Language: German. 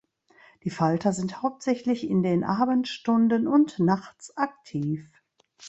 Die Falter sind hauptsächlich in den Abendstunden und nachts aktiv.